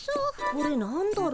これなんだろう。